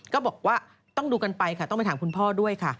ก็บอกว่าต้องดูกันไปค่ะต้องไปถามคุณพ่อด้วยค่ะ